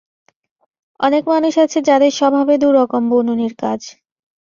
অনেক মানুষ আছে যাদের স্বভাবে দু-রকম বুনোনির কাজ।